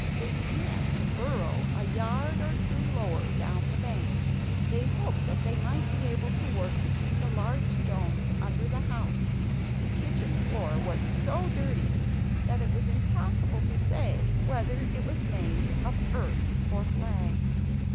They began to burrow a yard or two lower down the bank. They hoped that they might be able to work between the large stones under the house; the kitchen floor was so dirty that it was impossible to say whether it was made of earth or flags.